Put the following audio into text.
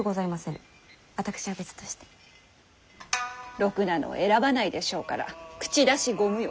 ろくなのを選ばないでしょうから口出しご無用。